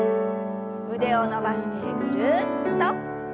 腕を伸ばしてぐるっと。